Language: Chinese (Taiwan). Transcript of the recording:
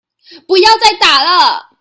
不要再打了